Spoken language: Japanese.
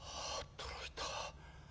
驚いた。